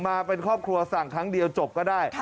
มาเป็นครอบครัวสั่งครั้งเดียวจบก็ได้